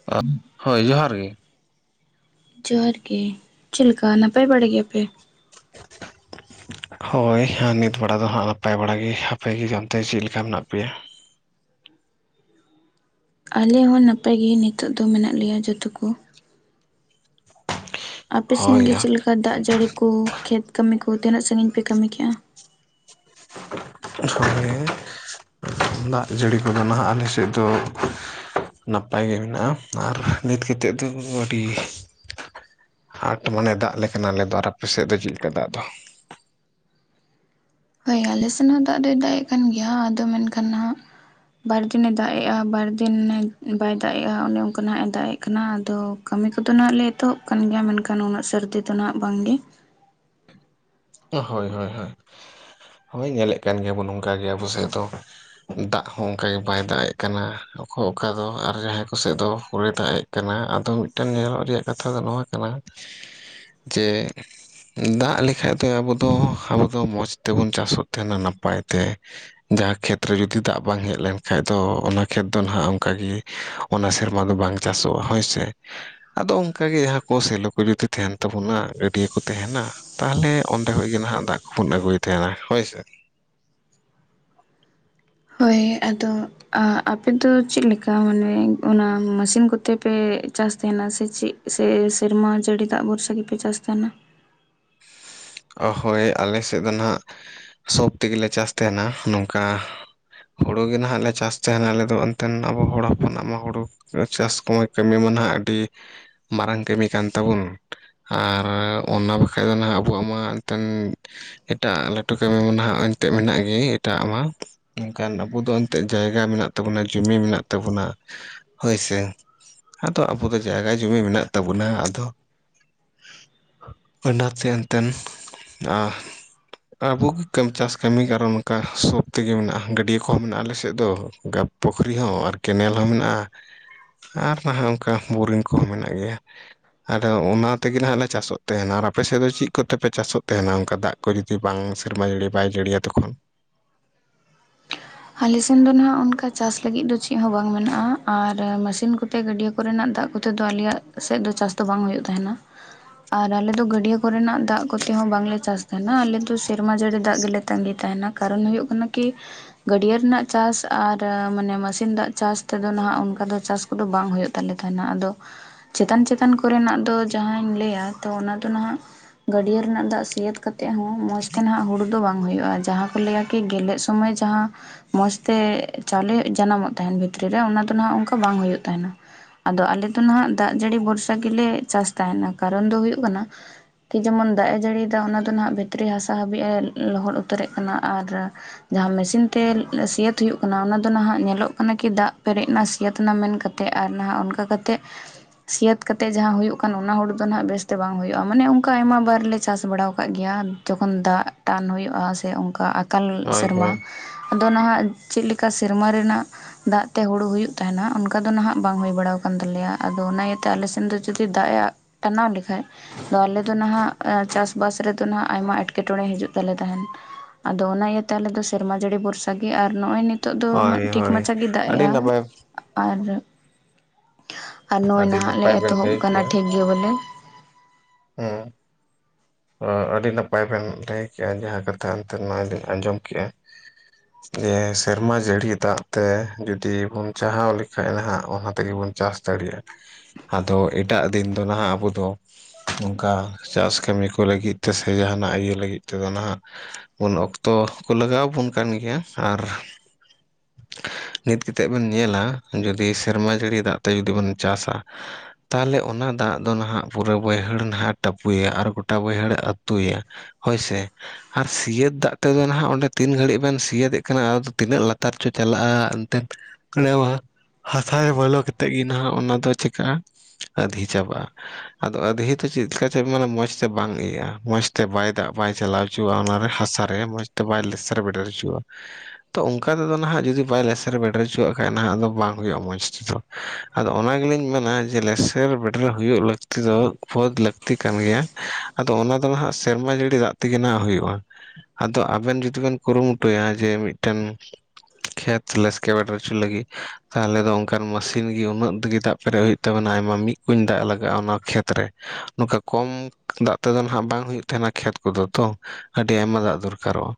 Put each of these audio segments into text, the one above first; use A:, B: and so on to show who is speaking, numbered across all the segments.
A: [unintelligible] ᱦᱳᱭ ᱡᱚᱦᱟᱨ ᱜᱮ᱾
B: ᱡᱚᱦᱟᱨ ᱜᱮ, ᱪᱮᱫ ᱞᱮᱠᱟ ᱱᱟᱯᱟᱭ ᱵᱟᱲᱟ ᱜᱮᱭᱟᱯᱮ?
A: [inaudible] ᱦᱳᱭ ᱱᱤᱛ ᱵᱟᱲᱟ ᱫᱚ ᱦᱟᱸᱜ ᱱᱟᱯᱟᱭ ᱵᱟᱲᱟ ᱜᱮ ᱟᱯᱮ ᱜᱮ ᱡᱚᱱᱛᱮ ᱪᱮᱫ ᱞᱮᱠᱟ ᱢᱮᱱᱟᱜ ᱯᱮᱭᱟ?
B: ᱟᱞᱮ ᱦᱚᱸ ᱱᱟᱯᱟᱭ ᱜᱮ ᱱᱤᱛᱚᱜ ᱫᱚ ᱢᱮᱱᱟᱜ ᱞᱮᱭᱟ ᱡᱚᱛᱚ ᱠᱚ᱾ ᱟᱯᱮᱥᱮᱱ
A: ᱦᱳᱭ
B: ᱜᱮ ᱪᱮᱫ ᱞᱮᱠᱟ ᱫᱟᱜ ᱡᱟᱹᱲᱤ ᱠᱚ ᱠᱷᱮᱛ ᱠᱟᱹᱢᱤ ᱠᱚ ᱛᱤᱱᱟᱹᱜ ᱥᱟᱺᱜᱤᱧ ᱯᱮ ᱠᱟᱹᱢᱤ ᱠᱮᱜ-ᱟ?
A: [unintelligible] ᱫᱟᱜ ᱡᱟᱹᱲᱤ ᱠᱚᱫᱚ ᱱᱟᱦᱟᱜ ᱟᱞᱮ ᱥᱮᱫ ᱫᱚ ᱱᱟᱯᱟᱭ ᱜᱮ ᱢᱮᱱᱟᱜ-ᱟ ᱟᱨ ᱱᱤᱛ ᱠᱮᱛᱮᱜ ᱫᱚ ᱟᱹᱰᱤ ᱟᱸᱴ ᱢᱟᱱᱮ ᱫᱟᱜ ᱟᱞᱮ ᱠᱟᱱᱟ ᱟᱞᱮ ᱫᱚ ᱟᱨ ᱟᱯᱮᱥᱮᱫ ᱫᱚ ᱪᱮᱫ ᱞᱮᱠᱟ ᱫᱟᱜ ᱫᱚ?
B: ᱦᱳᱭ ᱟᱞᱮᱥᱮᱱ ᱦᱚᱸ ᱫᱟᱜ ᱫᱚᱭ ᱫᱟᱜ ᱮᱫ ᱠᱟᱱ ᱜᱮᱭᱟ ᱟᱫᱚ ᱢᱮᱱᱠᱷᱟᱱ ᱱᱟᱦᱟᱜ ᱵᱟᱨ ᱫᱤᱱᱮ ᱫᱟᱜ ᱮᱜ-ᱟ ᱵᱟᱨ ᱫᱤᱱᱮ ᱵᱟᱭ ᱫᱟᱜ ᱮᱜ-ᱟ, ᱚᱱᱮ ᱚᱱᱠᱟ ᱱᱟᱦᱟᱜ ᱮ ᱫᱟᱜᱮᱜ ᱠᱟᱱᱟ ᱟᱫᱚ ᱠᱟᱹᱢᱤ ᱠᱚᱫᱚ ᱱᱟᱦᱟᱜ ᱞᱮ ᱮᱛᱚᱦᱚᱵ ᱠᱟᱱ ᱜᱮᱭᱟ ᱢᱮᱱᱠᱷᱟᱱ ᱩᱱᱟᱹᱜ ᱥᱟᱹᱨᱫᱤ ᱫᱚ ᱱᱟᱦᱟᱜ ᱵᱟᱝᱜᱮ,
A: ᱦᱳᱭ ᱦᱳᱭ ᱦᱳᱭ [inaudible] ᱦᱳᱭ ᱧᱮᱞᱮᱫ ᱠᱟᱱ ᱜᱮᱭᱟ ᱵᱚᱱ ᱱᱚᱝᱠᱟ ᱜᱮ ᱟᱵᱚ ᱥᱮᱫ ᱫᱚ, ᱫᱟᱜ ᱦᱚᱸ ᱚᱱᱠᱟᱜᱮ ᱵᱟᱭ ᱫᱟᱜ ᱮᱫ ᱠᱟᱱᱟ ᱚᱠᱚ ᱚᱠᱟ ᱫᱚ ᱟᱨ ᱡᱟᱦᱟᱸᱭ ᱠᱚ ᱥᱮᱫ ᱫᱚ ᱦᱩᱨᱮ ᱫᱟᱜ ᱮᱫ ᱠᱟᱱᱟ ᱟᱫᱚ ᱢᱤᱫᱴᱮᱱ ᱧᱮᱞᱚᱜ ᱨᱮᱭᱟᱜ ᱠᱟᱛᱷᱟ ᱫᱚ ᱱᱚᱣᱟ ᱠᱟᱱᱟ, ᱡᱮ [inaudible] ᱫᱟᱜ ᱞᱮᱠᱷᱟᱡ ᱛᱮ ᱟᱵᱳ ᱫᱚ ᱟᱵᱚ ᱢᱚᱡᱽ ᱛᱮᱵᱚᱱ ᱪᱟᱥᱚᱜ ᱛᱟᱦᱮᱱᱟ ᱱᱟᱯᱟᱭ ᱛᱮ᱾ ᱡᱟᱦᱟᱸ ᱠᱷᱮᱛᱨᱮ ᱡᱩᱫᱤ ᱫᱟᱜ ᱵᱟᱝ ᱦᱮᱡ ᱞᱮᱱᱠᱷᱟᱡ ᱫᱚ, ᱚᱱᱟ ᱠᱷᱮᱛ ᱫᱚ ᱱᱟᱦᱟᱜ ᱚᱝᱠᱟᱜ ᱜᱤ᱾ ᱚᱱᱟ ᱥᱮᱨᱢᱟ ᱫᱚ ᱵᱟᱝ ᱪᱟᱥᱚᱜᱼᱟ ᱦᱳᱭ ᱥᱮ᱾ ᱟᱫᱚ ᱚᱝᱠᱟᱜᱮ ᱡᱟᱦᱟᱸ ᱠᱚ ᱥᱮᱞᱚ ᱠᱚ ᱡᱩᱫᱤ ᱛᱟᱦᱮᱱ ᱛᱟᱵᱩᱱᱟ ᱜᱟᱹᱰᱭᱟᱹ ᱠᱚ ᱛᱟᱦᱮᱱᱟ ᱛᱟᱦᱞᱮ ᱚᱸᱰᱮ ᱠᱷᱚᱡ ᱜᱮ ᱱᱟᱦᱟᱜ ᱫᱟᱜ ᱠᱚᱵᱚᱱ ᱟᱹᱜᱩᱭᱮᱫ ᱛᱟᱦᱮᱱᱟ ᱦᱳᱭ ᱥᱮ᱾
B: ᱦᱳᱭ ᱟᱫᱚ ᱟᱯᱮ ᱫᱚ ᱪᱮᱫ ᱞᱮᱠᱟ ᱢᱟᱱᱮ ᱚᱱᱟ ᱢᱟᱥᱤᱱ ᱠᱚᱛᱮ ᱯᱮ ᱪᱟᱥ ᱛᱟᱦᱮᱱᱟ ᱥᱮ ᱪᱮᱜ ᱥᱮ ᱥᱮᱨᱢᱟ ᱡᱟᱹᱲᱤ ᱫᱟᱜ ᱵᱷᱚᱨᱥᱟ ᱜᱮᱯᱮ ᱪᱟᱹᱥ ᱛᱟᱦᱮᱱᱟ?
A: ᱦᱳᱭ ᱟᱞᱮ ᱥᱮᱫ ᱫᱚ ᱱᱟᱦᱟᱜ ᱥᱳᱵ ᱛᱮᱜᱮᱞᱮ ᱪᱟᱥ ᱛᱟᱦᱮᱱᱟ ᱱᱚᱝᱠᱟ ᱦᱳᱲᱳ ᱜᱮ ᱱᱟᱦᱟᱜ ᱞᱮ ᱪᱟᱥ ᱛᱟᱦᱮᱱᱟ, ᱟᱞᱮ ᱫᱚ ᱮᱱᱛᱮᱱ ᱟᱵᱚ ᱦᱚᱲ ᱦᱚᱯᱚᱱᱟᱜ ᱢᱟ ᱦᱩᱲᱩ ᱪᱟᱥ ᱠᱚᱢᱟ ᱠᱟᱹᱢᱤ ᱢᱟ ᱱᱟᱦᱟᱜ ᱟᱹᱰᱤ ᱢᱟᱨᱟᱝ ᱠᱟᱹᱢᱤ ᱠᱟᱱ ᱛᱟᱵᱚᱱ ᱟᱨ ᱚᱱᱟ ᱵᱟᱠᱷᱟᱡ ᱫᱚ ᱱᱟᱦᱟᱜ ᱟᱵᱚᱣᱟᱜ ᱢᱟ ᱮᱱᱛᱮᱱ ᱮᱴᱟᱜ ᱞᱟᱹᱴᱩ ᱠᱟᱹᱢᱤ ᱢᱟ ᱱᱟᱦᱟᱜ ᱮᱱᱛᱮᱫ ᱢᱮᱱᱟᱜ ᱜᱮ, ᱮᱴᱟᱜᱼ ᱢᱟ᱾ ᱢᱮᱱᱠᱷᱟᱱ ᱟᱵᱚ ᱫᱚ ᱮᱱᱛᱮᱜ ᱡᱟᱭᱜᱟ ᱢᱮᱱᱟᱜ ᱛᱟᱵᱩᱱᱟ, ᱡᱩᱢᱤ ᱢᱮᱱᱟᱜ ᱛᱟᱵᱩᱱᱟ ᱦᱳᱭᱥᱮ᱾ ᱟᱫᱚ ᱟᱵᱚ ᱫᱚ ᱡᱟᱭᱜᱟ ᱡᱩᱢᱤ ᱢᱮᱱᱟᱜ ᱛᱟᱵᱩᱱᱟ ᱟᱫᱚ [unintelligible] ᱟᱵᱚ ᱜᱤ ᱠᱟᱹ ᱪᱟᱥ ᱠᱟᱹᱢᱤ ᱠᱟᱨᱚᱱ ᱚᱱᱠᱟ ᱥᱳᱵ ᱛᱮᱜᱮ ᱢᱮᱱᱟᱜᱼᱟ ᱜᱟᱹᱰᱭᱟᱹ ᱠᱚᱦᱚᱸ ᱢᱮᱱᱟᱜᱼᱟ ᱟᱞᱮ ᱥᱮᱫ ᱫᱚ ᱯᱩᱠᱷᱨᱤ ᱦᱚᱸ, ᱟᱨ ᱠᱮᱱᱮᱞ ᱦᱚᱸ ᱢᱮᱱᱟᱜᱼᱟ ᱟᱨ ᱱᱟᱦᱟᱜ ᱚᱱᱠᱟ ᱵᱳᱨᱤᱝ ᱠᱚᱦᱚᱸ ᱢᱮᱱᱟᱜ ᱜᱮᱭᱟ᱾ ᱟᱫᱚ ᱚᱱᱟ ᱛᱮᱜᱤ ᱱᱟᱜ ᱞᱮ ᱪᱟᱥᱚᱜ ᱛᱟᱦᱮᱱᱟ, ᱟᱨ ᱟᱯᱮ ᱥᱮᱫ ᱫᱚ ᱪᱮᱫ? ᱠᱚᱛᱮᱯᱮ ᱪᱟᱥᱚᱜ ᱛᱟᱦᱮᱱᱟ ᱚᱝᱠᱟ ᱫᱟᱜ ᱠᱚ ᱡᱩᱫᱤ ᱵᱟᱝ ᱥᱮᱨᱢᱟ ᱡᱟᱹᱲᱤ ᱵᱟᱭ ᱡᱟᱹᱲᱤᱭᱟ ᱛᱚᱠᱷᱚᱱ?
B: ᱟᱞᱮᱥᱱ ᱫᱚ ᱱᱟᱦᱟᱜ ᱚᱱᱠᱟ ᱪᱟᱥ ᱞᱟᱹᱜᱤᱫ ᱫᱚ ᱪᱮᱫ ᱦᱚᱸ ᱵᱟᱝ ᱢᱮᱱᱟᱜᱼᱟ᱾ ᱟᱨ ᱢᱟᱥᱤᱱ ᱠᱚ ᱛᱮ ᱜᱟᱹᱰᱭᱟᱹ ᱠᱚᱨᱮᱱᱟᱜ ᱫᱟᱜ ᱠᱚᱛᱮ ᱫᱚ ᱟᱞᱮᱭᱟᱜ ᱥᱮᱫ ᱫᱚ ᱪᱟᱥ ᱫᱚ ᱵᱟᱝ ᱦᱩᱭᱩᱜ ᱛᱟᱦᱮᱱᱟ, ᱟᱨ ᱟᱞᱮ ᱫᱚ ᱜᱟᱹᱰᱭᱟᱹ ᱠᱚᱨᱮᱱᱟᱜ ᱫᱟᱜ ᱠᱚᱛᱮ ᱦᱚᱸ ᱵᱟᱝᱞᱮ ᱪᱟᱥ ᱟᱞᱮ ᱫᱚ ᱥᱮᱨᱢᱟ ᱡᱟᱹᱲᱤ ᱫᱟᱜ ᱜᱮᱞᱮ ᱛᱟᱸᱜᱤ ᱛᱟᱦᱮᱱᱟ ᱠᱟᱨᱚᱱ ᱦᱩᱭᱩᱜ ᱠᱟᱱᱟ ᱠᱤ ᱜᱟᱹᱰᱭᱟᱹ ᱨᱮᱱᱟᱜ ᱪᱟᱥ ᱟᱨ ᱢᱟᱱᱮ ᱢᱟᱹᱥᱤᱱ ᱫᱟᱜ ᱪᱟᱥ ᱛᱮᱫᱚ ᱱᱟᱦᱟᱜ, ᱚᱱᱠᱟ ᱫᱚ ᱪᱟᱥ ᱠᱚᱫᱚ ᱵᱟᱝ ᱦᱩᱭᱩᱜ, ᱛᱟᱞᱮ ᱛᱟᱦᱮᱱᱟ ᱟᱫᱚ ᱪᱮᱛᱟᱱ ᱪᱮᱛᱟᱱ ᱠᱚᱨᱮᱱᱟᱜ ᱫᱚ, ᱡᱟᱦᱟᱸᱧ ᱞᱟᱹᱭᱟ ᱛᱚ ᱚᱱᱟ ᱫᱚ ᱱᱟᱦᱟᱜ ᱜᱟᱹᱰᱭᱟᱹ ᱨᱮᱱᱟᱜ ᱫᱟᱜ ᱥᱤᱭᱟᱹᱛ ᱠᱟᱛᱮᱫ ᱦᱚᱸ ᱢᱚᱡᱽ ᱛᱮ ᱱᱟᱦᱟᱜ ᱦᱩᱲᱩ ᱫᱚ ᱵᱟᱝ ᱦᱩᱭᱩᱜᱼᱟ᱾ ᱡᱟᱦᱟᱸ ᱠᱚ ᱞᱟᱹᱭᱟ ᱠᱤ ᱜᱮᱞᱮᱫ ᱥᱚᱢᱚᱭ ᱡᱟᱦᱟᱸ ᱢᱚᱡᱽᱛᱮ ᱪᱟᱣᱞᱤ ᱡᱟᱱᱟᱢᱚᱜ ᱛᱟᱦᱮᱱ, ᱵᱷᱤᱛᱨᱤ ᱨᱮ ᱚᱱᱟ ᱫᱚ ᱱᱟᱦᱟᱜ ᱚᱱᱠᱟ ᱵᱟᱝ ᱦᱩᱭᱩᱜ ᱛᱟᱦᱮᱱᱟ᱾ ᱟᱫᱚ ᱟᱞᱮ ᱫᱚ ᱱᱟᱦᱟᱜ ᱫᱟᱜ ᱡᱟᱹᱲᱤ ᱵᱷᱚᱨᱥᱟ ᱜᱮᱞᱮ ᱪᱟᱥ ᱛᱟᱦᱮᱱᱟ᱾ ᱠᱟᱨᱚᱱ ᱫᱚ ᱦᱩᱭᱩᱜ ᱠᱟᱱᱟ? ᱡᱮᱢᱚᱱ ᱫᱟᱜ ᱮ ᱡᱟᱹᱲᱤᱭᱫᱟ ᱚᱱᱟ ᱫᱚ ᱱᱟᱦᱟᱜ ᱵᱷᱤᱛᱨᱤ ᱦᱟᱥᱟ ᱦᱟᱹᱵᱤᱡᱼ ᱮ ᱞᱚᱦᱚᱫ ᱩᱛᱟᱹᱨᱮᱜ ᱠᱟᱱᱟ ᱟᱨ ᱡᱟᱦᱟᱸ ᱢᱮᱥᱤᱱ ᱛᱮ ᱥᱤᱭᱟᱹᱛ ᱦᱩᱭᱩᱜ ᱠᱟᱱᱟ᱾ ᱚᱱᱟ ᱫᱚ ᱱᱟᱦᱟᱜ ᱧᱮᱞᱚᱜ ᱠᱟᱱᱟ ᱠᱤ ᱫᱟᱜ ᱯᱮᱨᱮᱡ ᱮᱱᱟ ᱥᱤᱭᱟᱹᱛ ᱱᱟ ᱢᱮᱱ ᱠᱟ ᱛᱮᱜ ᱟᱨ ᱱᱟᱦᱟᱜ ᱚᱱᱠᱟ ᱠᱟᱛᱮᱜ ᱥᱤᱭᱟᱹᱛ ᱠᱟᱛᱮᱜ ᱡᱟᱦᱟᱸ ᱦᱩᱭᱩᱜ ᱠᱟᱱ, ᱚᱱᱟ ᱦᱩᱲᱩ ᱫᱚ ᱱᱟᱦᱟᱜ ᱵᱮᱥᱛᱮ ᱵᱟᱝ ᱦᱩᱭᱩᱜᱼᱟ᱾ ᱢᱟᱱᱮ ᱚᱝᱠᱟ ᱟᱭᱢᱟ ᱵᱟᱨ ᱞᱮ ᱪᱟᱥ ᱵᱟᱲᱟᱣ ᱠᱟᱜ ᱜᱮᱭᱟ᱾ ᱡᱚᱠᱷᱚᱱ ᱫᱟᱜ ᱴᱟᱱ ᱦᱩᱭᱩᱜᱼᱟ ᱥᱮ ᱚᱝᱠᱟ ᱟᱠᱟᱞ
A: ᱦᱳᱭ
B: ᱥᱮᱨᱢᱟ
A: ᱦᱳᱭ
B: ᱟᱫᱚ ᱱᱟᱦᱟᱜ ᱪᱮᱜ ᱞᱮᱠᱟ ᱥᱮᱨᱢᱟ ᱨᱮᱱᱟᱜ ᱫᱟᱜ ᱛᱮ ᱦᱩᱲᱩ ᱦᱩᱭᱩᱜ ᱛᱟᱦᱮᱱᱟ, ᱚᱱᱠᱟ ᱫᱚ ᱱᱟᱦᱟᱜ ᱵᱟᱝ ᱦᱩᱭ ᱵᱟᱲᱟᱣ ᱠᱟᱱ ᱛᱟᱞᱮᱭᱟ ᱟᱫᱚ ᱚᱱᱟ ᱤᱭᱟᱹᱛᱮ ᱟᱞᱮ ᱥᱮᱱ ᱫᱚ ᱡᱩᱫᱤ ᱫᱟᱜ ᱮ ᱴᱟᱱᱟᱣ ᱞᱮᱠᱷᱟᱡ᱾ ᱟᱫᱚ ᱟᱞᱮ ᱫᱚ ᱱᱟᱦᱟᱸᱜ ᱪᱟᱥᱼᱵᱟᱥ ᱨᱮᱫᱚ ᱦᱟᱸᱜ ᱟᱭᱢᱟ ᱮᱸᱴᱠᱮᱴᱚᱬᱮ ᱦᱤᱡᱩᱜ ᱛᱟᱞᱮ ᱛᱟᱦᱮᱸᱱ᱾ ᱟᱫᱚ ᱚᱱᱟ ᱤᱭᱟᱹᱛᱮ ᱟᱞᱮᱫᱚ ᱥᱮᱨᱢᱟ ᱡᱟᱹᱲᱤ ᱵᱷᱚᱨᱥᱟ ᱜᱮ, ᱟᱨ ᱱᱚᱜᱚᱭ ᱱᱤᱛ ᱱᱤᱛᱳᱜ ᱫᱚ
A: ᱦᱳᱭ
B: ᱴᱷᱤᱠ
A: ᱦᱳᱭ
B: ᱢᱟᱪᱷᱟ ᱜᱮᱭ ᱫᱟᱜ
A: ᱟᱹᱰᱤ
B: ᱮᱼᱟᱭ
A: ᱱᱟᱯᱟᱭ
B: ᱟᱨ ᱟᱨ ᱱᱚᱜᱼᱚᱭ
A: ᱟᱹᱰᱤ
B: ᱱᱟᱦᱟᱜ ᱞᱮ
A: ᱱᱟᱯᱟᱭ ᱵᱮᱱ
B: ᱮᱛᱚᱦᱚᱵ
A: ᱞᱟᱹᱭ
B: ᱟᱠᱟᱱᱟ
A: ᱠᱮᱜᱼᱟ
B: ᱴᱷᱤᱠ ᱜᱮ ᱵᱚᱞᱮ᱾
A: [inaudible] ᱚ ᱟᱹᱰᱤ ᱱᱟᱯᱟᱭ ᱵᱮᱱ ᱞᱟᱹᱭ ᱠᱮᱜᱼᱟ, ᱡᱟᱦᱟᱸ ᱠᱟᱛᱷᱟ ᱮᱱᱛᱮ ᱱᱚᱣᱟ ᱞᱤᱧ ᱟᱸᱡᱚᱢ ᱠᱮᱜᱼᱟ᱾ [inaudible] ᱡᱮ ᱥᱮᱨᱢᱟ ᱡᱟᱹᱲᱤ ᱫᱟᱜ ᱛᱮ ᱡᱩᱫᱤ ᱵᱚᱱ ᱪᱟᱦᱟᱣ ᱞᱮᱠᱷᱟᱱᱡ ᱱᱟᱦᱟᱜ ᱚᱱᱟ ᱛᱮᱜᱮᱵᱚᱱ ᱪᱟᱥ ᱫᱟᱲᱮᱭᱟᱜᱼᱟ ᱟᱫᱚ ᱮᱴᱟᱜ ᱫᱤᱱ ᱫᱚ ᱱᱟᱦᱟᱜ ᱟᱵᱚ ᱫᱚ ᱚᱱᱠᱟ ᱪᱟᱥ ᱠᱟᱹᱢᱤ ᱠᱚ ᱞᱟᱹᱜᱤᱫ ᱛᱮᱥᱮ ᱡᱟᱦᱟᱱᱟᱜ ᱤᱭᱟᱹ ᱞᱟᱹᱜᱤᱫ ᱛᱮᱫᱚ ᱱᱟᱦᱟᱜ ᱩᱱ ᱚᱠᱛᱚ ᱠᱚ ᱞᱟᱜᱟᱣ ᱟᱵᱚᱱ ᱠᱟᱱ ᱜᱮᱭᱟ ᱟᱨ ᱱᱤᱛ ᱠᱟᱛᱮᱫ ᱵᱮᱱ ᱧᱮᱞᱟ ᱡᱩᱫᱤ ᱥᱮᱨᱢᱟ ᱡᱟᱹᱲᱤ ᱫᱟᱜ ᱛᱮ ᱡᱩᱫᱤ ᱵᱚᱱ ᱪᱟᱥᱟ ᱛᱟᱦᱚᱞᱮ ᱚᱱᱟ ᱫᱟᱜ ᱫᱚ ᱱᱟᱦᱟᱜ ᱯᱩᱨᱟᱹ ᱵᱟᱹᱭᱦᱟᱹᱲ ᱱᱟᱦᱟᱜ ᱮ ᱴᱟᱯᱩᱭᱭᱟ ᱟᱨ ᱜᱚᱴᱟ ᱵᱟᱹᱭᱦᱟᱹᱲᱮ ᱟᱹᱛᱩᱭᱟ ᱦᱳᱭ ᱥᱮ᱾ ᱟᱨ ᱥᱤᱭᱟᱹᱛ ᱫᱟᱜ ᱛᱮᱫᱚ ᱱᱟᱦᱜ ᱚᱸᱰᱮ ᱛᱤᱱ ᱜᱷᱟᱹᱲᱤᱜ ᱵᱮᱱ ᱥᱤᱭᱟᱹᱛᱮᱜ ᱠᱟᱱᱟ ᱟᱫᱚ ᱛᱤᱱᱟᱹᱜ ᱞᱟᱛᱟᱨ ᱪᱚ ᱪᱟᱞᱟᱜᱼᱟ ᱮᱱᱛᱮᱱ᱾ [unintelligible] ᱦᱟᱥᱟ ᱜᱮ ᱵᱚᱞᱚ ᱠᱟᱛᱮᱫ ᱜᱮ ᱱᱟᱦᱟᱜ ᱚᱱᱟ ᱫᱚ ᱪᱤᱠᱟᱹᱜᱼᱟ ᱟᱫᱷᱤ ᱪᱟᱵᱟᱜᱼᱟ᱾ ᱟᱫᱚ ᱟᱫᱷᱮ ᱛᱚ ᱪᱮᱫ ᱞᱮᱠᱟ ᱪᱮᱫ ᱢᱟᱱᱮ ᱢᱚᱸᱡᱽᱛᱮ ᱵᱟᱝ ᱤᱭᱟᱹᱜᱼᱟ ᱢᱚᱸᱡᱽ ᱛᱮ ᱵᱟᱭ ᱫᱟᱜ ᱵᱟᱭ ᱪᱟᱞᱟᱣ ᱪᱚᱣᱟᱜᱼᱟ ᱚᱱᱟ ᱨᱮ ᱦᱟᱥᱟᱨᱮ ᱢᱚᱸᱡᱽᱛᱮ ᱵᱟᱭ ᱞᱮᱥᱮᱨ ᱵᱮᱰᱮᱨ ᱦᱚᱪᱚᱣᱟᱜ-ᱟ᱾ ᱛᱚ ᱚᱱᱠᱟ ᱛᱮᱫᱚ ᱱᱟᱦᱟᱜ ᱡᱩᱫᱤ ᱵᱟᱭ ᱞᱮᱥᱮᱨ ᱵᱮᱴᱮᱨ ᱦᱚᱪᱚᱣᱟᱜ ᱠᱷᱟᱡ ᱱᱟᱦᱟᱜ ᱟᱫᱚ ᱵᱟᱝ ᱦᱩᱭᱩᱜᱼᱟ ᱢᱚᱡᱽ ᱛᱮᱫᱚ᱾ ᱟᱫᱚ ᱚᱱᱟ ᱜᱮᱞᱤᱧ ᱢᱮᱱᱟ ᱡᱮ ᱞᱮᱥᱮᱨ ᱵᱮᱴᱮᱨ ᱦᱩᱭᱩᱜ ᱞᱟᱹᱠ -ᱛᱤ ᱫᱚ ᱵᱩᱫ ᱞᱟᱹᱠᱛᱤ ᱠᱟᱱ ᱜᱮᱭᱟ ᱟᱫᱚ ᱚᱱᱟ ᱫᱚ ᱱᱦᱟᱜ ᱥᱮᱨᱢᱟ ᱡᱟᱹᱲᱤ ᱫᱟᱜ ᱛᱮᱜᱮ ᱱᱦᱟᱜ ᱦᱩᱭᱩᱜᱼᱟ᱾ ᱟᱫᱚ ᱟᱵᱮᱱ ᱡᱩᱫᱤ ᱵᱮᱱ ᱠᱩᱨᱩᱢᱩᱴᱩᱭᱟ ᱡᱮ ᱢᱤᱫᱴᱮᱱ ᱠᱷᱮᱛ ᱞᱮᱥᱠᱮᱵᱮᱰᱮᱨ ᱚᱪᱩ ᱞᱟᱹᱜᱤᱫ ᱛᱟᱦᱚᱞᱮ ᱫᱚ ᱚᱱᱠᱟᱱ ᱢᱟᱥᱤᱱ ᱜᱤ ᱩᱱᱟᱹᱜ ᱜᱮ ᱫᱟᱜ ᱯᱮᱨᱮᱡ ᱦᱩᱭᱩᱜ ᱛᱟᱵᱤᱱᱟ ᱟᱭᱢᱟ ᱢᱤᱫ ᱠᱩᱧ ᱫᱟᱜ ᱞᱟᱜᱟᱜᱼᱟ ᱚᱱᱟ ᱠᱷᱮᱛ ᱨᱮ ᱱᱚᱝᱠᱟ ᱠᱚᱢ ᱫᱟᱜ ᱛᱮᱫᱚ ᱱᱦᱟᱜ ᱵᱟᱝ ᱦᱩᱭᱩᱜ ᱛᱟᱦᱮᱱᱟ ᱠᱷᱮᱛ ᱠᱚᱫᱚ ᱛᱚ᱾ ᱟᱹᱰᱤ ᱟᱭᱢᱟ ᱫᱟᱜ ᱫᱚᱨᱠᱟᱨᱚᱜᱼᱟ᱾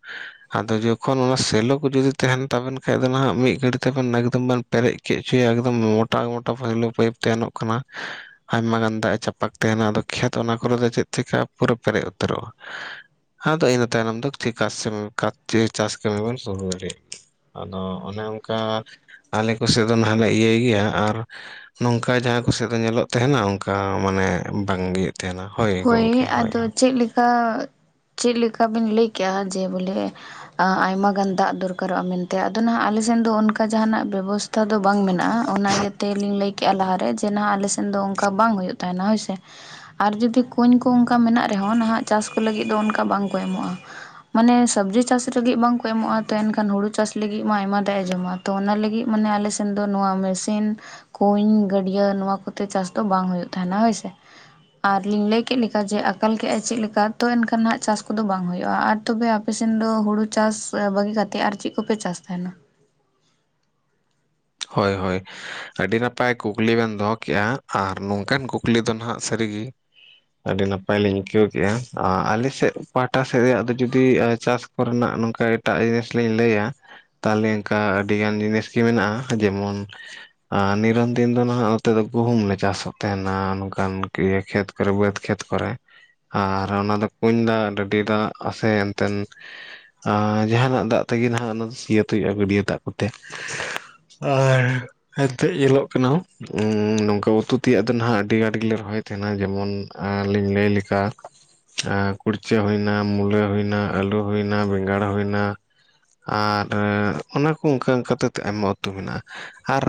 A: ᱟᱫᱚ ᱡᱚᱠᱷᱚᱱ ᱚᱱᱟ ᱥᱮᱞᱚ ᱠᱚ ᱡᱩᱫᱤ ᱛᱟᱦᱮᱱ ᱛᱟᱵᱮᱱ ᱠᱷᱟᱡ ᱫᱚ ᱱᱟᱦᱟᱜ ᱢᱤᱫ ᱜᱷᱟᱹᱲᱤ ᱛᱮᱵᱮᱱ ᱮᱠᱫᱚᱢ ᱵᱮᱱ ᱯᱮᱨᱮᱡ ᱠᱮᱫ ᱦᱚᱪᱚᱭᱟ ᱮᱠᱫᱚᱢ ᱢᱚᱴᱟ ᱢᱚᱴᱟ ᱯᱳᱭᱞᱳ ᱯᱟᱭᱤᱯ ᱛᱟᱦᱮᱱᱚᱜ ᱠᱟᱱᱟ ᱟᱭᱢᱟ ᱜᱟᱱ ᱫᱟᱜ ᱪᱟᱯᱟᱠ ᱛᱟᱦᱮᱱᱟ ᱟᱫᱚ ᱠᱷᱮᱛ ᱚᱱᱟ ᱠᱚᱨᱮ ᱫᱚ ᱪᱮᱫ ᱪᱤᱠᱟᱜᱼᱟ ᱯᱩᱨᱟᱹ ᱯᱮᱨᱮᱡ ᱩᱛᱟᱹᱨᱚᱜᱼᱟ᱾ ᱦᱟᱸ ᱤᱱᱟᱹ ᱛᱟᱭᱱᱚᱢ ᱫᱚ ᱪᱮᱠᱟᱥᱮᱢ ᱠᱟᱛ ᱪᱮ ᱪᱟᱥ ᱠᱟᱹᱢᱤ ᱵᱮᱱ ᱥᱚᱞᱦᱚ ᱫᱟᱲᱮᱭᱟᱜᱼᱟ᱾ ᱟᱫᱚ ᱚᱱᱮ ᱚᱱᱠᱟ ᱟᱞᱮ ᱠᱚᱥᱮᱫ ᱫᱚ ᱱᱟᱦᱟᱜ ᱞᱮ ᱤᱭᱟᱹᱭ ᱜᱮᱭᱟ ᱟᱨ ᱱᱚᱝᱠᱟ ᱡᱟᱦᱟᱸ ᱠᱚᱥᱮᱫ ᱫᱚ ᱧᱮᱞᱚᱜ ᱛᱟᱦᱮᱱᱟ ᱚᱱᱠᱟ ᱢᱟᱱᱮ ᱵᱟᱝᱜᱮ ᱛᱟᱦᱮᱱᱟ ᱦᱳᱭ ᱜᱚᱢᱠᱮ ᱦᱳᱭ ᱦᱚᱭ
B: ᱟ ᱪᱮᱫᱞᱮᱠᱟ ᱵᱤᱱ ᱞᱟᱹᱭ ᱠᱮᱜᱼᱟ ᱡᱮ ᱵᱚᱞᱮ ᱟᱭᱢᱟ ᱜᱟᱱ ᱫᱟᱜ ᱫᱚᱨᱠᱟᱨᱚᱜᱼᱟ ᱢᱮᱱᱛᱮ ᱟᱫᱚ ᱱᱦᱟᱜ ᱟᱞᱮ ᱥᱮᱱ ᱫᱚ ᱚᱱᱠᱟ ᱡᱟᱦᱟᱱᱟᱜ ᱵᱮᱵᱚᱥᱛᱷᱟ ᱛᱷᱟ ᱫᱚ ᱵᱟᱝ ᱢᱮᱱᱟᱜᱼᱟ ᱚᱱᱟ ᱤᱭᱟᱹ ᱛᱮᱞᱤᱧ ᱞᱟᱹᱭ ᱠᱮᱜᱼᱟ ᱞᱟᱦᱟᱨᱮ ᱡᱮ ᱱᱦᱟᱜ ᱟᱞᱮ ᱥᱮᱱ ᱫᱚ ᱚᱱᱠᱟ ᱵᱟᱝ ᱦᱩᱭᱩᱜ ᱛᱟᱦᱮᱱᱟ ᱦᱳᱭᱥᱮ᱾ ᱟᱨ ᱡᱩᱫᱤ ᱠᱩᱧ ᱠᱚ ᱚᱱᱠᱟ ᱢᱮᱱᱟᱜ ᱨᱮᱦᱚᱸ ᱱᱟᱦᱟᱜ ᱪᱟᱥ ᱠᱚ ᱞᱟᱹᱜᱤᱫ ᱫᱚ ᱚᱱᱠᱟ ᱵᱟᱝᱠᱚ ᱮᱢᱚᱜᱼᱟ᱾ ᱢᱟᱱᱮ ᱥᱚᱵᱽᱡᱤ ᱪᱟᱥ ᱞᱟᱹᱜᱤᱫ ᱵᱟᱝᱠᱚ ᱮᱢᱚᱜᱼᱟ ᱛᱚ ᱮᱱᱠᱷᱟᱱ ᱦᱩᱲᱩ ᱪᱟᱥ ᱞᱟᱹᱜᱤᱫ ᱢᱟ ᱟᱭᱢᱟ ᱫᱟᱜ ᱮ ᱡᱚᱢᱟ᱾ ᱛᱚ ᱚᱱᱟ ᱞᱟᱹᱜᱤᱫ ᱢᱟᱱᱮ ᱟᱞᱮᱥᱮᱱ ᱫᱚ ᱱᱚᱣᱟ ᱢᱮᱥᱤᱱ ᱠᱩᱧ ᱜᱟᱹᱰᱭᱟᱹ ᱱᱚᱣᱟ ᱠᱚᱛᱮ ᱪᱟᱥ ᱫᱚ ᱵᱟᱝ ᱦᱩᱭᱩᱜ ᱛᱟᱦᱮᱱᱟ ᱦᱳᱭᱥᱮ ᱟᱨᱞᱤᱧ ᱞᱟᱹᱭ ᱪᱮᱫ ᱞᱮᱠᱟ ᱡᱮ ᱟᱠᱟᱞ ᱠᱮᱫᱟᱭ ᱪᱮᱫ ᱞᱮᱠᱟ ᱛᱚ ᱮᱱᱠᱷᱟᱱ ᱦᱟᱸᱜ ᱪᱟᱥ ᱠᱚᱫᱚ ᱵᱟᱝ ᱦᱩᱭᱩᱜᱼᱟ ᱟᱨ ᱛᱚᱵᱮ ᱟᱯᱮᱥᱱ ᱫᱚ ᱦᱩᱲᱩ ᱪᱟᱥ ᱵᱟᱹᱜᱤ ᱠᱟᱛᱮᱫ ᱟᱨ ᱪᱮᱫ ᱠᱚᱯᱮ ᱪᱟᱥ ᱛᱟᱦᱮᱱᱟ?
A: ᱦᱳᱭ ᱦᱳᱭ᱾ ᱟᱹᱰᱤ ᱱᱟᱯᱟᱭ ᱠᱩᱠᱞᱤ ᱵᱮᱱ ᱫᱚᱦᱚ ᱠᱮᱜᱼᱟ ᱟᱨ ᱱᱚᱝᱠᱟᱱ ᱠᱩᱠᱞᱤ ᱫᱚ ᱱᱦᱟᱜ ᱥᱟᱹᱨᱤᱜᱮ ᱟᱹᱰᱤ ᱱᱟᱯᱟᱭᱞᱤᱧ ᱟᱹᱭᱠᱟᱹᱣ ᱠᱮᱫᱼᱟ ᱟᱞᱮᱥᱮᱫ ᱯᱟᱦᱴᱟ ᱥᱮᱫ ᱨᱮᱭᱟᱜ ᱫᱚ ᱡᱩᱫᱤ ᱪᱟᱥ ᱠᱚᱨᱮᱱᱟᱜ ᱱᱚᱝᱠᱟ ᱮᱴᱟᱜ ᱡᱤᱱᱤᱥ ᱞᱤᱧ ᱞᱟᱹᱭᱟ ᱛᱟᱦᱚᱞᱮ ᱚᱱᱠᱟ ᱟᱹᱰᱤ ᱜᱟᱱ ᱡᱤᱱᱤᱥ ᱜᱮ ᱢᱮᱱᱟᱜᱼᱟ᱾ ᱡᱮᱢᱚᱱ ᱟᱨ ᱱᱤᱨᱚᱱ ᱫᱤᱱ ᱫᱚ ᱱᱟᱦᱟᱜ ᱱᱚᱛᱮ ᱫᱚ ᱜᱩᱦᱩᱢ ᱞᱮ ᱪᱟᱥᱚᱜ ᱛᱟᱦᱮᱱᱟ ᱱᱚᱝᱠᱟᱱ ᱠᱷᱮᱛ ᱵᱟᱹᱫᱽ ᱠᱷᱮᱛ ᱠᱚᱨᱮ ᱟᱨ ᱚᱱᱟ ᱫᱚ ᱠᱩᱧ ᱫᱟᱜ ᱰᱟᱹᱰᱤ ᱫᱟᱜ ᱟᱥᱮ ᱮᱱᱛᱮᱱ ᱟᱨ ᱡᱟᱦᱟᱱᱟᱜ ᱫᱟᱜ ᱛᱮᱜᱮ ᱱᱟᱦᱟᱜ ᱚᱱᱟ ᱥᱤᱭᱟᱹᱛ ᱦᱩᱭᱩᱜᱼᱟ ᱜᱟᱹᱰᱭᱟᱹ ᱫᱟᱜ ᱠᱚᱛᱮ [inaudible] ᱦᱮᱱᱛᱮᱡ ᱧᱮᱞᱚᱜ ᱠᱟᱱᱟ ᱩᱸ ᱱᱚᱝᱠᱟ ᱩᱛᱩ ᱛᱮᱭᱟᱜ ᱫᱚ ᱱᱟᱦᱟᱜ ᱟᱹᱰᱤ ᱟᱴ ᱜᱮᱞᱮ ᱨᱚᱦᱚᱭ ᱛᱷᱮᱱᱟ ᱡᱮᱢᱚᱱ ᱟᱸᱞᱤᱧ ᱞᱟᱹᱭ ᱞᱮᱠᱟ ᱟᱸ ᱠᱩᱲᱪᱟᱹ ᱦᱩᱭᱱᱟ ᱢᱩᱞᱟᱹ ᱦᱩᱭᱱᱟ ᱟᱹᱞᱩ ᱦᱩᱭᱱᱟ ᱵᱮᱸᱜᱟᱲ ᱦᱩᱭᱱᱟ᱾ ᱟᱨ ᱮᱸ ᱚᱱᱟ ᱠᱚ ᱚᱝᱠᱟ ᱚᱝᱠᱟ ᱛᱮ ᱟᱭᱢᱟ ᱩᱛᱩ ᱢᱮᱱᱟᱜᱼᱟ᱾ ᱟᱨ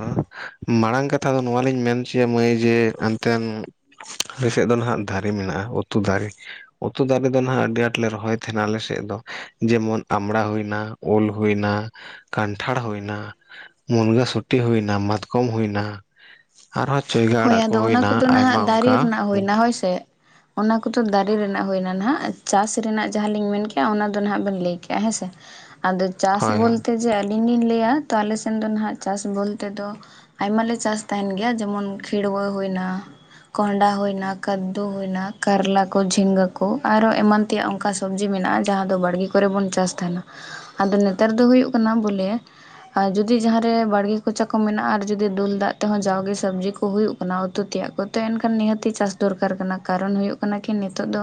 A: ᱢᱟᱲᱟᱝ ᱠᱟᱛᱷᱟ ᱫᱚ ᱱᱚᱣᱟ ᱞᱤᱧ ᱢᱮᱱ ᱚᱪᱚᱭᱟ ᱢᱟᱹᱭ ᱡᱮ ᱚᱱᱛᱮᱱ ᱟᱞᱮ ᱥᱮᱜ ᱫᱚ ᱱᱟᱦᱟᱜ ᱫᱟᱨᱮ ᱢᱮᱱᱟᱜᱼᱟ ᱩᱛᱩ ᱫᱟᱨᱮ᱾ ᱩᱛᱩ ᱫᱟᱨᱮ ᱫᱚ ᱱᱟᱦᱟᱜ ᱟᱹᱰᱤ ᱟᱴ ᱞᱮ ᱨᱚᱦᱚᱭ ᱛᱷᱮᱱᱟ ᱟᱞᱮ ᱥᱮᱜ ᱫᱚ ᱡᱮᱢᱚᱱ ᱟᱢᱲᱟ ᱦᱩᱭᱱᱟ᱾ ᱩᱞ ᱦᱩᱭᱱᱟ ᱠᱟᱱᱴᱷᱟᱲ ᱦᱩᱭᱱᱟ᱾ ᱢᱩᱱᱜᱟᱹ ᱥᱩᱴᱤ ᱦᱩᱭᱱᱟ ᱢᱟᱛᱠᱚᱢ ᱦᱩᱭᱱᱟ᱾ ᱟᱨᱦᱚᱸ ᱪᱟᱹᱭᱞᱟᱹ
B: ᱦᱳᱭ ᱟᱫᱚ ᱚᱱᱟ ᱠᱚᱫᱚ ᱱᱟᱦᱟᱜ ᱫᱟᱨᱮ ᱨᱮᱱᱟᱜ ᱦᱩᱭᱱᱟ ᱦᱳᱭ ᱥᱮ᱾ ᱚᱱᱟ ᱠᱚᱫᱚ ᱫᱟᱨᱮ ᱨᱮᱱᱟᱜ ᱦᱩᱭᱱᱟ ᱱᱟᱦᱟᱜ ᱪᱟᱥ ᱨᱮᱱᱟᱜ ᱡᱟᱦᱟᱸ ᱞᱤᱧ ᱢᱮᱱ ᱠᱮᱜᱼᱟ ᱚᱱᱟ ᱫᱚ ᱱᱟᱦᱟᱜ ᱵᱮᱱ ᱞᱟᱹᱭ ᱠᱮᱜᱼᱟ ᱦᱮᱸ ᱥᱮ᱾ ᱟᱫᱚ ᱪᱟᱥ
A: ᱦᱳᱭ ᱦᱳᱭ
B: ᱵᱚᱞᱛᱮ ᱡᱮ ᱟᱹᱞᱤᱧ ᱞᱤᱧ ᱞᱟᱹᱭᱟ ᱛᱚ ᱟᱞᱮ ᱥᱮᱱ ᱫᱚ ᱱᱟᱦᱟᱜ ᱪᱟᱥ ᱵᱚᱞᱛᱮ ᱫᱚ ᱟᱭᱢᱟ ᱞᱮ ᱪᱟᱥ ᱛᱟᱦᱮᱱ ᱜᱮᱭᱟ ᱡᱮᱢᱚᱱ ᱠᱷᱤᱲᱣᱟᱹ ᱦᱩᱭᱱᱟ᱾ ᱠᱚᱸᱦᱰᱟ ᱦᱩᱭᱱᱟ ᱠᱟᱫᱽᱫᱩ ᱦᱩᱭᱱᱟ ᱠᱟᱨᱞᱟ ᱠᱚ ᱡᱷᱤᱸᱜᱟᱹ ᱠᱚ ᱟᱨᱦᱚ ᱮᱢᱟᱱ ᱛᱮᱭᱟᱜ ᱚᱝᱠᱟ ᱥᱚᱵᱽᱡᱤ ᱢᱮᱱᱟᱜᱼᱟ ᱡᱟᱦᱟᱸ ᱫᱚ ᱵᱟᱲᱜᱮ ᱠᱚᱨᱮ ᱵᱚᱱ ᱪᱟᱥ ᱛᱟᱦᱮᱱᱟ᱾ ᱟᱫᱚ ᱱᱮᱛᱟᱨ ᱫᱚ ᱦᱩᱭᱩᱜ ᱠᱟᱱᱟ ᱵᱚᱞᱮ ᱟ ᱡᱩᱫᱤ ᱡᱟᱦᱟᱸᱨᱮ ᱵᱟᱲᱜᱮ ᱠᱚᱪᱟ ᱠᱚ ᱢᱮᱱᱟᱜᱼᱟ ᱟᱨ ᱡᱩᱫᱤ ᱫᱩᱞ ᱫᱟᱜ ᱛᱮᱦᱚᱸ ᱡᱟᱣᱜᱮ ᱥᱚᱵᱡᱤ ᱠᱩ ᱦᱩᱭᱩᱜ ᱠᱟᱱᱟ ᱩᱛᱩ ᱛᱮᱭᱟᱜ ᱠᱚ ᱛᱮ ᱮᱱᱠᱷᱟᱱ ᱱᱤᱦᱟᱹᱛᱤ ᱪᱟᱥ ᱫᱚᱨᱠᱟᱨ ᱠᱟᱱᱟ ᱠᱟᱨᱚᱱ ᱦᱩᱭᱩᱜ ᱠᱟᱱᱟ ᱠᱤ ᱱᱤᱛᱚᱜ ᱫᱚ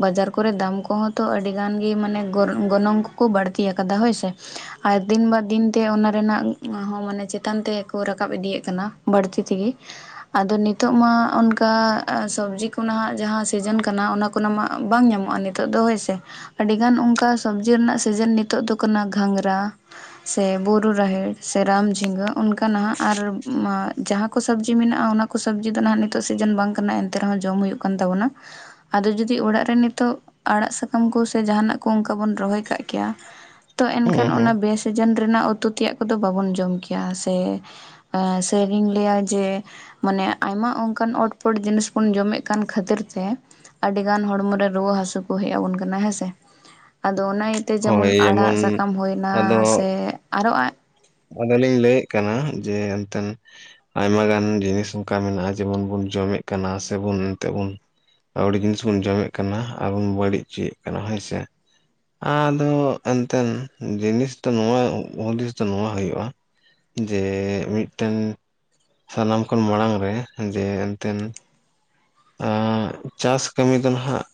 B: ᱵᱟᱡᱟᱨ ᱠᱚᱨᱮ ᱫᱟᱢ ᱠᱚᱦᱚᱸ ᱛᱚ ᱟᱹᱰᱤ ᱜᱟᱱ ᱜᱮ ᱢᱟᱱᱮ ᱜᱚ-ᱜᱚᱱᱚᱝ ᱠᱚᱠᱚ ᱵᱟᱹᱲᱛᱤᱭ ᱟᱠᱟᱫᱟ ᱦᱳᱭᱥᱮ᱾ ᱟᱨ ᱫᱤᱱ ᱵᱟᱫᱽ ᱫᱤᱱᱛᱮ ᱚᱱᱟ ᱨᱮᱱᱟᱜ ᱦᱚᱸ ᱢᱟᱱᱮ ᱪᱮᱛᱟᱱ ᱛᱮᱠᱚ ᱨᱟᱠᱟᱵ ᱤᱫᱤᱭᱮᱜ ᱠᱟᱱᱟ ᱵᱟᱹᱲᱛᱤ ᱛᱮᱜᱤ᱾ ᱟᱫᱚ ᱱᱤᱛᱚᱜ ᱢᱟ ᱚᱱᱠᱟ ᱥᱚᱵᱽᱡᱤ ᱠᱚ ᱱᱟᱦᱟᱜ ᱡᱟᱦᱟᱸ ᱥᱤᱡᱮᱱ ᱠᱟᱱᱟ ᱚᱱᱟ ᱠᱚᱱᱟ ᱢᱟ ᱵᱟᱝ ᱧᱟᱢᱚᱜᱼᱟ ᱱᱤᱛᱚᱜ ᱫᱚ ᱦᱳᱭ ᱥᱮ᱾ ᱟᱹᱰᱤᱜᱟᱱ ᱚᱜᱠᱟ ᱥᱚᱵᱽᱡᱤ ᱨᱮᱱᱟᱜ ᱥᱤᱡᱮᱱ ᱱᱤᱛᱚᱜ ᱫᱚ ᱠᱟᱱᱟ ᱜᱷᱟᱸᱝᱨᱟ᱾ ᱥᱮ ᱵᱩᱨᱩ ᱨᱟᱦᱮᱲ ᱥᱮ ᱨᱟᱢ ᱡᱷᱤᱸᱜᱟᱹ ᱚᱱᱠᱟ ᱱᱟᱦᱟᱜ ᱟᱨ ᱢᱟ ᱡᱟᱦᱟᱸ ᱠᱚ ᱠᱚ ᱥᱚᱵᱽᱡᱤ ᱢᱮᱱᱟᱜᱼᱟ ᱚᱱᱟ ᱠᱚ ᱥᱚᱵᱽᱡᱤ ᱫᱚ ᱱᱟᱦᱟᱜ ᱱᱤᱛᱚᱜ ᱥᱤᱡᱤᱱ ᱵᱟᱝ ᱠᱟᱱᱟ ᱮᱱᱛᱮ ᱨᱮᱦᱚᱸ ᱡᱚᱢ ᱦᱩᱭᱩᱜ ᱠᱟᱱ ᱛᱟᱵᱚᱱᱟ᱾ ᱟᱫᱚ ᱡᱩᱫᱤ ᱚᱲᱟᱜ ᱨᱮ ᱱᱤᱛᱚᱜ ᱟᱲᱟᱜ ᱥᱟᱠᱟᱢ ᱠᱚ ᱥᱮ ᱡᱟᱦᱱᱟᱜ ᱠᱚ ᱚᱝᱠᱟ ᱵᱩᱱ ᱨᱚᱦᱚᱭ ᱠᱟᱜ ᱠᱮᱭᱟ ᱛᱚ ᱮᱱᱠᱷᱟᱱ ᱚᱱᱟ ᱵᱮᱥ ᱥᱮᱡᱮᱱ ᱨᱮᱱᱟᱜ ᱩᱛᱩ ᱛᱮᱭᱟᱜ ᱠᱚᱫᱚ ᱵᱟᱵᱚᱱ ᱜᱮᱭᱟ ᱥᱮ ᱮᱸ ᱥᱮ ᱞᱤᱧ ᱞᱟᱹᱭᱟ ᱡᱮ ᱢᱟᱱᱮ ᱟᱭᱢᱟ ᱚᱝᱠᱟᱱ ᱚᱴ ᱯᱚᱴ ᱡᱤᱱᱤᱥ ᱵᱚᱱ ᱡᱚᱢᱮᱜ ᱠᱟᱱ ᱠᱷᱟᱹᱛᱤᱨ ᱛᱮ ᱟᱹᱰᱤ ᱜᱟᱱ ᱦᱚᱲᱢᱚᱨᱮ ᱨᱩᱣᱟᱹ ᱦᱟᱹᱥᱩ ᱠᱚ ᱦᱮᱜ ᱟᱵᱚᱱ ᱠᱟᱱᱟ ᱦᱮᱸᱥᱮ ᱟᱫᱚ ᱚᱱᱟ ᱛᱮ ᱡᱮᱢᱚᱱ ᱟᱲᱟᱜ ᱥᱟᱠᱟᱢ ᱦᱩᱭᱱᱟ ᱥᱮ ᱟᱨᱚ ᱟᱸ
A: ᱟᱫᱚ ᱞᱤᱧ ᱞᱟᱹᱭᱮᱜ ᱠᱟᱱᱟ ᱡᱮ ᱮᱱᱛᱮ ᱟᱭᱢᱟ ᱜᱟᱱ ᱡᱤᱱᱤᱥ ᱚᱝᱠᱟ ᱢᱮᱱᱟᱜᱼᱟ ᱡᱮᱢᱚᱱ ᱵᱚᱱ ᱡᱚᱢᱮᱜ ᱠᱟᱱᱟ ᱥᱮᱵᱚᱱ ᱮᱱᱛᱮ ᱵᱚᱱ ᱟᱹᱣᱲᱤ ᱡᱤᱱᱤᱥ ᱵᱚᱱ ᱡᱚᱢᱮᱜ ᱠᱟᱱᱟ, ᱟᱨᱵᱚᱱ ᱵᱟᱹᱲᱤᱜ ᱚᱪᱚᱭᱮᱜ ᱠᱟᱱᱟ ᱦᱳᱭ ᱥᱮ᱾ ᱟᱫᱚ ᱮᱱᱛᱮᱱ ᱡᱤᱱᱤᱥ ᱫᱚ ᱱᱚᱣᱟ ᱦᱩᱫᱤᱥ ᱛᱚ ᱱᱚᱣᱟ ᱦᱩᱭᱩᱜᱼᱟ ᱡᱮ ᱢᱤᱫᱴᱮᱱ ᱥᱟᱱᱟᱢ ᱠᱷᱚᱱ ᱢᱟᱲᱟᱝ ᱨᱮ ᱡᱮ ᱮᱱᱛᱮᱱ ᱟᱸ ᱪᱟᱥ ᱠᱟᱹᱢᱤ ᱫᱚ ᱱᱟᱦᱟᱜ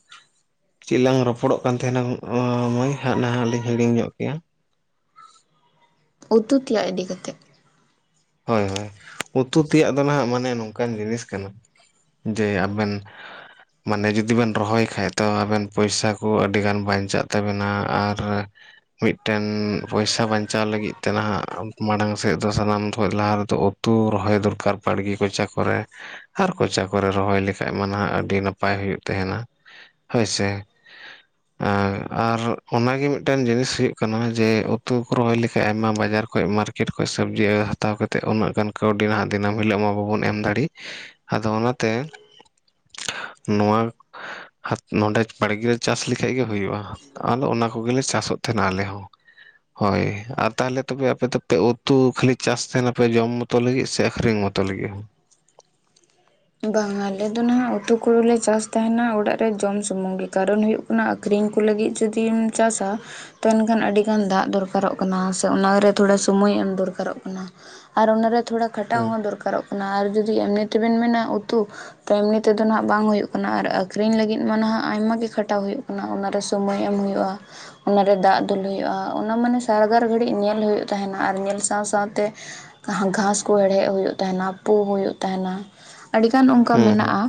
A: ᱪᱮᱜ ᱞᱟᱝ ᱨᱚᱯᱚᱲᱚᱜ ᱠᱟᱱ ᱛᱟᱦᱮᱱᱟ ᱟᱸ ᱢᱟᱹᱭ ᱦᱟᱸᱜ ᱱᱟᱦᱟᱜ ᱞᱤᱧ ᱦᱤᱲᱤᱧ ᱧᱚᱜ ᱠᱮᱭᱟ?
B: ᱩᱛᱩ ᱛᱮᱭᱟᱜ ᱤᱫᱤ ᱠᱟᱛᱮᱜ᱾
A: ᱦᱳᱭ ᱦᱳᱭ ᱩᱛᱩ ᱛᱮᱭᱟᱜ ᱫᱚ ᱱᱟᱦᱟᱜ ᱢᱟᱱᱮ ᱱᱚᱝᱠᱟᱱ ᱡᱤᱱᱤᱥ ᱠᱟᱱᱟ ᱡᱮ ᱟᱵᱮᱱ ᱢᱟᱱᱮ ᱡᱩᱫᱤ ᱵᱮᱱ ᱨᱚᱦᱚᱭ ᱠᱷᱟᱡ ᱛᱚ ᱟᱵᱮᱱ ᱯᱚᱭᱥᱟ ᱠᱚ ᱟᱹᱰᱤᱜᱟᱱ ᱵᱟᱧᱪᱟᱜ ᱛᱟᱵᱮᱱᱟ ᱟᱨ ᱢᱤᱫᱴᱮᱱ ᱯᱚᱭᱥᱟ ᱵᱟᱧᱪᱟᱣ ᱞᱟᱹᱜᱤᱫ ᱛᱮ ᱱᱟᱦᱟᱜ ᱢᱟᱲᱟᱝ ᱥᱮᱫ ᱫᱚ ᱥᱟᱱᱟᱢ ᱠᱷᱚᱡ ᱞᱟᱦᱟ ᱨᱮᱫᱚ ᱩᱛᱩ ᱨᱚᱦᱚᱭ ᱫᱚᱨᱠᱟᱨ ᱵᱟᱲᱜᱮ ᱠᱚᱪᱟ ᱠᱚᱨᱮ ᱾ ᱟᱨ ᱠᱚᱪᱟ ᱠᱚᱨᱮ ᱨᱚᱦᱚᱭ ᱞᱮᱠᱷᱟᱡ ᱢᱟ ᱱᱟᱦᱟᱜ ᱟᱹᱰᱤ ᱱᱟᱯᱟᱭ ᱦᱩᱭᱩᱜ ᱛᱟᱦᱮᱱᱟ [inaudible] ᱦᱳᱭᱥᱮ ᱾ ᱟᱨ ᱟᱨ ᱚᱱᱟᱜᱮ ᱢᱤᱫᱴᱮᱱ ᱡᱤᱱᱤᱥ ᱦᱩᱭᱩᱜ ᱠᱟᱱᱟ ᱡᱮ ᱩᱛᱩ ᱠᱚ ᱨᱚᱦᱚᱭ ᱞᱮᱠᱟᱡ ᱟᱭᱢᱟ ᱵᱟᱡᱟᱨ ᱠᱷᱚᱡ ᱢᱟᱨᱠᱮᱴ ᱠᱷᱚᱡ ᱥᱚᱵᱽᱡᱤ ᱦᱟᱛᱟᱣ ᱠᱟᱛᱮᱫ ᱩᱱᱟᱹᱜ ᱜᱟᱱ ᱠᱟᱹᱣᱰᱤ ᱱᱟᱦᱟᱜ ᱫᱤᱱᱟᱹᱢ ᱦᱤᱞᱳᱜ ᱢᱟ ᱵᱟᱵᱚᱱ ᱮᱢ ᱫᱟᱲᱮᱜ ᱾ ᱟᱫᱚ ᱚᱱᱟᱛᱮ [inaudible] ᱱᱚᱣᱟ [inaudible] ᱠᱷᱟᱱ ᱱᱚᱰᱮ ᱵᱟᱲᱜᱮ ᱨᱮ ᱪᱟᱥ ᱞᱮᱠᱷᱟᱡ ᱜᱮ ᱦᱩᱭᱩᱜ-ᱟ, ᱟᱞᱚ ᱚᱱᱟ ᱠᱚᱜᱮᱞᱮ ᱪᱟᱥ ᱚᱜ ᱛᱟᱦᱮᱱᱟ ᱟᱞᱮ ᱦᱚᱸ ᱾ ᱦᱳᱭ ᱟᱨ ᱛᱟᱦᱚᱞᱮ ᱛᱚᱵᱮ ᱟᱯᱮ ᱫᱚᱯᱮ ᱩᱛᱩ ᱠᱷᱟᱞᱤ ᱪᱟᱥ ᱛᱟᱦᱮᱱ ᱟᱯᱮ ᱡᱚᱢ ᱢᱚᱛᱚ ᱞᱟᱹᱜᱤᱫ ᱥᱮ ᱟᱠᱷᱨᱤᱧ ᱢᱚᱛᱚ ᱞᱟᱹᱜᱤᱫ ᱦᱚᱸ?
B: ᱵᱟᱝ ᱟᱞᱮ ᱫᱚ ᱱᱟᱦᱟᱜ ᱩᱛᱩ ᱠᱚᱫᱚ ᱞᱮ ᱪᱟᱥ ᱛᱟᱦᱮᱱᱟ ᱚᱲᱟᱜ ᱨᱮ ᱡᱚᱢ ᱥᱩᱢᱩᱝ ᱜᱮ ᱠᱟᱨᱚᱱ ᱚᱱᱟ ᱟᱠᱷᱨᱤᱧ ᱠᱚ ᱞᱟᱹᱜᱤᱫ ᱡᱩᱫᱤᱢ ᱪᱟᱥ-ᱟ ᱛᱚ ᱮᱱᱠᱷᱟᱱ ᱟᱹᱰᱤᱜᱟᱱ ᱫᱟᱜ ᱫᱚᱨᱠᱟᱨᱚᱜ ᱠᱟᱱᱟ ᱥᱮ ᱚᱱᱟᱨᱮ ᱛᱷᱚᱲᱟ ᱥᱚᱢᱚᱭ ᱮᱢ ᱫᱚᱨᱠᱟᱨᱚᱜ ᱠᱟᱱᱟ ᱾ ᱟᱨ ᱚᱱᱟᱨᱮ ᱛᱷᱚᱲᱟ ᱠᱷᱟᱴᱟᱣ
A: ᱦᱩᱸ
B: ᱦᱚᱸ ᱫᱚᱨᱠᱟᱨᱚᱜ ᱠᱟᱱᱟ ᱾ ᱟᱨ ᱡᱩᱫᱤ ᱮᱢᱱᱤ ᱛᱮᱵᱮᱱ ᱢᱮᱱᱟ ᱩᱛᱩ ᱛᱚ ᱮᱢᱱᱤ ᱛᱮᱫᱚ ᱱᱟᱦᱟᱜ ᱵᱟᱝ ᱦᱩᱭᱩᱜ ᱠᱟᱱᱟ ᱟᱨ ᱟᱹᱠᱷᱨᱤᱧ ᱞᱟᱹᱜᱤᱫ ᱢᱟ ᱱᱟᱦᱟᱜ ᱟᱭᱢᱟ ᱜᱮ ᱠᱷᱟᱴᱟᱣ ᱦᱩᱭᱩᱜ ᱠᱟᱱᱟ ᱾ [unintelligible] ᱥᱳᱢᱚᱭ ᱮᱢ ᱦᱩᱭᱩᱜ-ᱟ᱾ ᱚᱱᱟᱨᱮ ᱫᱟᱜ ᱫᱩᱞ ᱦᱩᱭᱩᱜ-ᱟ ᱾ ᱚᱱᱟ ᱢᱟᱱᱮ ᱥᱟᱨᱜᱟᱨ ᱜᱷᱟᱹᱲᱤᱡ ᱧᱮᱞ ᱦᱩᱭᱩᱜ ᱛᱟᱦᱮᱱᱟ ᱾ ᱟᱨ ᱧᱮᱞ ᱥᱟᱶ ᱥᱟᱶᱛᱮ ᱜᱷᱟᱸᱥ ᱠᱚ ᱦᱮᱲᱦᱮᱫ ᱦᱩᱭᱩᱜ ᱛᱟᱦᱮᱱᱟ ᱯᱳ ᱦᱩᱭᱩᱜ ᱛᱟᱦᱮᱱᱟ ᱾ ᱟᱹᱰᱤ ᱜᱟᱱ ᱚᱱᱠᱟ
A: ᱦᱩᱸ ᱦᱩᱸ
B: ᱢᱮᱱᱟᱜ-ᱟ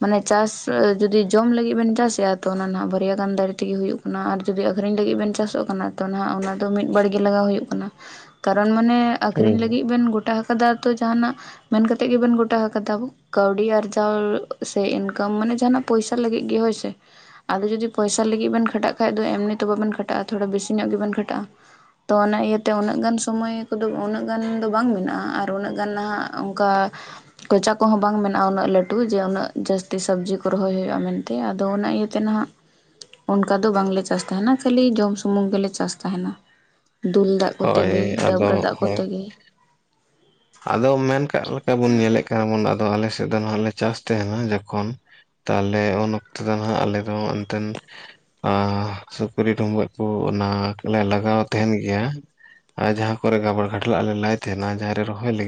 B: ᱢᱟᱱᱮ ᱪᱟᱥ ᱡᱩᱫᱤ ᱡᱚᱢ ᱞᱟᱹᱜᱤᱫ ᱵᱮᱱ ᱪᱟᱥᱮᱜ-ᱟ ᱛᱚ ᱚᱱᱟ ᱱᱟᱦᱟᱜ ᱵᱟᱨᱭᱟ ᱜᱟᱱ ᱫᱟᱨᱮ ᱛᱮᱜᱮ ᱦᱩᱭᱩᱜ ᱠᱟᱱᱟ ᱟᱨ ᱡᱩᱫᱤ ᱟᱹᱠᱷᱨᱤᱧ ᱞᱟᱹᱜᱤᱫ ᱵᱮᱱ ᱪᱟᱥᱚᱜ ᱠᱟᱱᱟ ᱛᱚ ᱱᱟᱦᱟᱜ ᱚᱱᱟ ᱫᱚ ᱢᱤᱫ ᱵᱟᱨᱜᱮ ᱞᱟᱜᱟᱣ ᱦᱩᱭᱩᱜ ᱠᱟᱱᱟ [inaudible] ᱠᱟᱨᱚᱱ ᱢᱟᱱᱮ
A: ᱦᱩᱸ
B: ᱟᱠᱷᱨᱤᱧ
A: ᱦᱩᱸ
B: ᱞᱟᱹᱜᱤᱫ ᱵᱮᱱ ᱜᱚᱴᱟ ᱟᱠᱟᱫᱟ ᱛᱚ ᱡᱟᱦᱱᱟᱜ ᱢᱮᱱ ᱠᱟᱛᱮᱜ ᱜᱮᱵᱮᱱ ᱜᱚᱴᱟ ᱟᱠᱟᱫᱟ ᱾ ᱠᱟᱹᱣᱰᱤ ᱟᱨᱡᱟᱣ ᱥᱮ ᱤᱱᱠᱟᱢ ᱢᱟᱱᱮ ᱡᱟᱦᱟᱱᱟᱜ ᱯᱚᱭᱥᱟ ᱞᱟᱹᱜᱤᱫ ᱜᱮ ᱦᱳᱭ ᱥᱮ ᱾ ᱟᱫᱚ ᱡᱩᱫᱤ ᱯᱚᱭᱥᱟ ᱞᱟᱹᱜᱤᱫ ᱵᱮᱱ ᱠᱷᱟᱴᱟᱜ ᱠᱷᱟᱡ ᱫᱚ ᱮᱢᱱᱤ ᱛᱚ ᱵᱟᱵᱮᱱ ᱠᱷᱟᱴᱟᱜ-ᱟ, ᱛᱷᱚᱲᱟ ᱵᱮᱥᱤ ᱧᱚᱜ ᱜᱮᱵᱮᱱ ᱠᱷᱟᱴᱟᱜ-ᱟ ᱾ ᱛᱚ ᱚᱱᱟ ᱤᱭᱟᱹᱛᱮ ᱩᱱᱟᱹᱜ ᱜᱟᱱ ᱥᱚᱢᱚᱭ ᱠᱚᱫᱚ ᱩᱱᱟᱹᱜ ᱜᱟᱱ ᱫᱚ ᱵᱟᱝ ᱢᱮᱱᱟᱜ-ᱟ ᱟᱨ ᱩᱱᱟᱹᱜ ᱜᱟᱱ ᱱᱟᱜ ᱚᱱᱠᱟ ᱠᱚᱪᱟ ᱠᱚᱦᱚ ᱵᱟᱝ ᱢᱮᱱᱟᱜ-ᱟ ᱞᱟᱹᱴᱩ ᱡᱮ ᱩᱱᱟᱹᱜ ᱡᱟᱹᱥᱛᱤ ᱥᱚᱵᱽᱡᱤ ᱠᱚ ᱨᱚᱦᱚᱭ ᱦᱩᱭᱩᱜ-ᱟ ᱢᱮᱱᱛᱮ ᱾ ᱟᱫᱚ ᱚᱱᱟ ᱤᱭᱟᱹᱛᱮ ᱱᱟᱦᱟᱜ ᱚᱱᱠᱟ ᱫᱚ ᱵᱟᱝᱞᱮ ᱪᱟᱥ ᱛᱟᱦᱮᱱᱟ ᱠᱷᱟᱹᱞᱤ ᱡᱚᱢ ᱥᱩᱢᱩᱝ ᱜᱮᱞᱮ ᱪᱟᱥ ᱛᱟᱦᱮᱱᱟ ᱾ ᱫᱩᱞ ᱫᱟᱜ ᱠᱚᱛᱮ
A: ᱦᱳᱭ
B: ᱜᱮ
A: ᱟᱫᱚ
B: ᱰᱟᱹᱵᱽᱨᱟᱹ ᱫᱟᱜ
A: ᱦᱳᱭ
B: ᱠᱚᱛᱮ ᱜᱮ ᱾
A: ᱟᱫᱚ ᱢᱮᱱ ᱠᱟᱜ ᱞᱮᱠᱟ ᱵᱚᱱ ᱧᱮᱞᱮᱫ ᱠᱟᱱᱟ ᱵᱚᱱ ᱾ ᱟᱫᱚ ᱟᱞᱮ ᱥᱮᱫ ᱫᱚ ᱱᱚᱣᱟ ᱞᱮ ᱪᱟᱥ ᱛᱟᱦᱮᱱᱟ ᱡᱚᱠᱷᱚᱱ ᱛᱟᱦᱚᱞᱮ ᱩᱱ ᱚᱠᱛᱚ ᱫᱚ ᱦᱟᱜ ᱟᱞᱮ ᱫᱚ ᱦᱟᱜ ᱮᱱᱛᱮᱱ ᱟᱻ ᱥᱩᱠᱨᱤ ᱰᱩᱢᱵᱟᱹᱜ ᱠᱚ ᱚᱱᱟ ᱠᱚᱞᱮ ᱞᱟᱜᱟᱣ ᱛᱟᱦᱮᱱ ᱜᱮᱭᱟ ᱾ ᱟᱨ ᱡᱟᱦᱟᱸ ᱠᱚᱨᱮ ᱜᱟᱵᱟᱲ ᱜᱷᱟᱰᱞᱟᱜ ᱞᱮ ᱞᱟᱭ ᱛᱟᱦᱮᱱᱟ ᱡᱟᱦᱟᱸ ᱨᱮ ᱨᱚᱦᱚᱭ ᱞᱟᱹᱜᱤᱫ